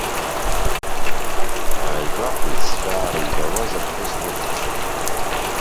Ааигәахәит зцәаара ибауаз аԥҳәыс длыхәаԥшуа.